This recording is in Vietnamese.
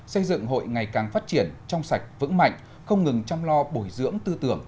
xây dựng hội ngày càng phát triển trong sạch vững mạnh không ngừng chăm lo bồi dưỡng tư tưởng